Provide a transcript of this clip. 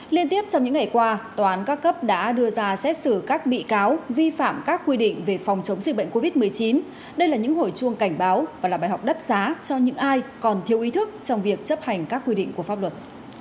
liên tiếp trong những ngày qua tòa án các cấp đã đưa ra xét xử các bị cáo vi phạm các quy định về phòng chống dịch bệnh covid một mươi chín đây là những hồi chuông cảnh báo và là bài học đắt giá cho những ai còn thiếu ý thức trong việc chấp hành các quy định của pháp luật